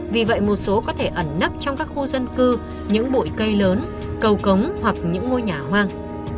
vì vậy một số có thể ẩn nấp trong các khu dân cư những bụi cây lớn cầu cống hoặc những ngôi nhà hoang